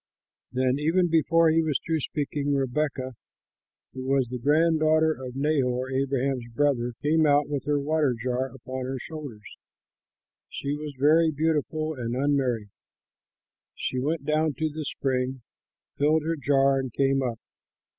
Then even before he was through speaking, Rebekah, who was the grand daughter of Nahor, Abraham's brother, came out with her water jar upon her shoulder. She was very beautiful and unmarried. She went down to the spring, filled her jar, and came up.